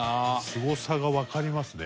すごさがわかりますね